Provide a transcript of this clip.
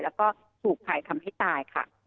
แล้วก็ถูกใครทำให้ตายค่ะ